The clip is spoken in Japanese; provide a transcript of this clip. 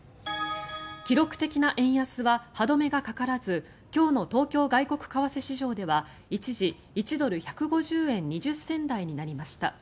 記録的な円安は歯止めがかからず今日の東京外国為替市場では一時１ドル＝１５０円２０銭台になりました。